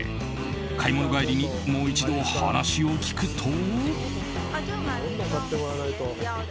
買物帰りにもう一度話を聞くと。